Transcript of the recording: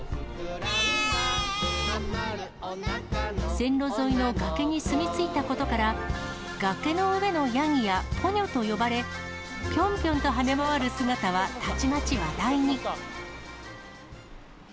線路沿いの崖に住み着いたことから、崖の上のヤギやポニョと呼ばれ、ぴょんぴょんと跳ね回る姿はたちまち話題に。